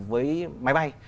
với máy bay